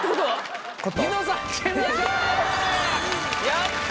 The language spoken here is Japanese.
やった！